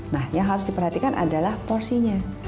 nah yang harus diperhatikan adalah porsinya